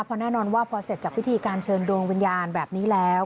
เพราะแน่นอนว่าพอเสร็จจากพิธีการเชิญดวงวิญญาณแบบนี้แล้ว